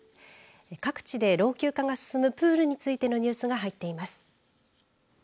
各地で老朽化が進むプールについてのニュースが入っています。